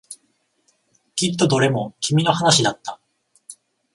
きっとどれも君の話だった。